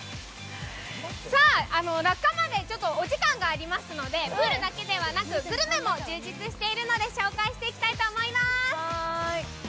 落下までお時間がありますので、プールだけではなくグルメも充実しているので紹介していきたいと思います。